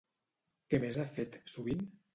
Què més ha fet sovint?